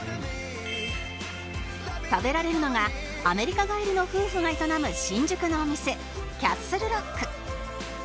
食べられるのがアメリカ帰りの夫婦が営む新宿のお店 ＣａｓｔｌｅＲｏｃｋ